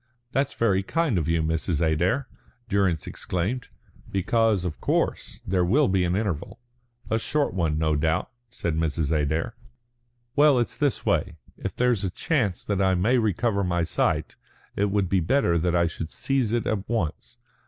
"That's very kind of you, Mrs. Adair," Durrance exclaimed; "because, of course, there will be an interval." "A short one, no doubt," said Mrs. Adair. "Well, it's this way. If there's a chance that I may recover my sight, it would be better that I should seize it at once.